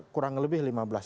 kurang lebih lebih